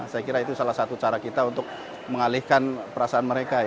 saya kira itu salah satu cara kita untuk mengalihkan perasaan mereka